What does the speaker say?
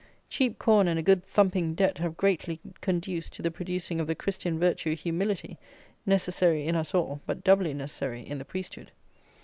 Cheap corn and a good thumping debt have greatly conduced to the producing of the Christian virtue, humility, necessary in us all, but doubly necessary in the priesthood.